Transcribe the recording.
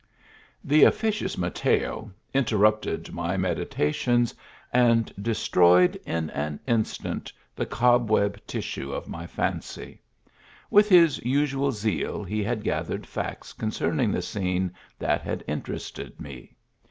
The officious Mateo interrupted my meditations and destroyed, in an instant, the cobweb tissue of my fancy. With his^usual zeal he had gathered facts concerning the scene that had interested me.